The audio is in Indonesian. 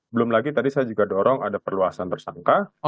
belum lagi tadi saya juga dorong ada perluasan tersangka